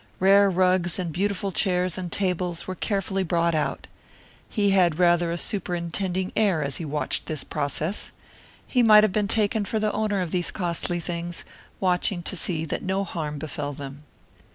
Rare rugs and beautiful chairs and tables were carefully brought out. He had rather a superintending air as he watched this process. He might have been taken for the owner of these costly things, watching to see that no harm befell them.